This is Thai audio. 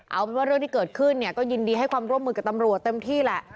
เอาเป็นว่าเรื่องที่เกิดขึ้นเนี่ยก็ยินดีให้ความร่วมมือกับตำรวจเต็มที่แหละ